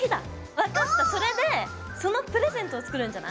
分かったそれでそのプレゼントを作るんじゃない？